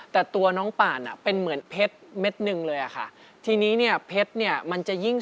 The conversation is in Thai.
เก่งมากภูมิใจแทนคุณแม่คุณยายนะ